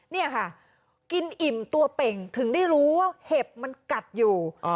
นี่ค่ะกินอิ่มตัวเป่งถึงได้รู้ว่าเห็บมันกัดอยู่